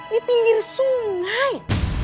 di pinggir sungai